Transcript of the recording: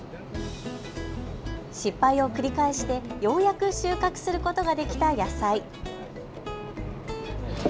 失敗を繰り返してようやく収穫することができた野菜。